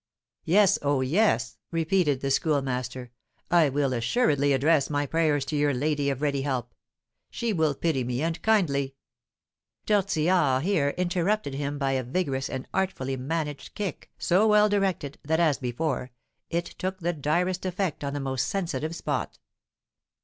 "Yes, oh, yes," repeated the Schoolmaster; "I will assuredly address my prayers to your 'Lady of Ready Help.' She will pity me and kindly " Tortillard here interrupted him by a vigorous and artfully managed kick, so well directed, that, as before, it took the direst effect on the most sensitive spot.